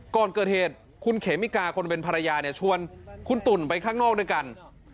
ก่อนเกิดเหตุคุณเขมิกาคนเป็นภรรยาเนี่ยชวนคุณตุ่นไปข้างนอกด้วยกัน